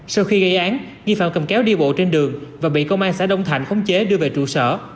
sau khi gây án nghi phạm cầm kéo đi bộ trên đường và bị công an xã đông thạnh khống chế đưa về trụ sở